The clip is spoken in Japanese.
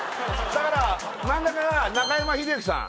だから真ん中が中山秀征さん